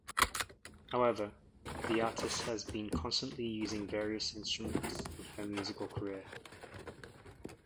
However, the artist has been constantly using various instruments in her musical career.